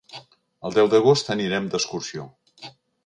El deu d'agost anirem d'excursió.